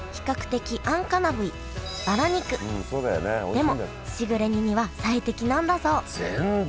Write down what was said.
でもしぐれ煮には最適なんだそう全然。